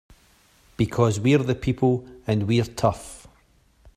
Because we're the people and we're tough!